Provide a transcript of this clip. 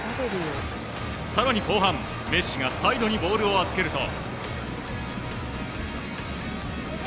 更に後半、メッシがサイドにボールを預けると。